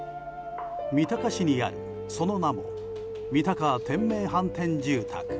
三鷹市にあるその名も三鷹天命反転住宅。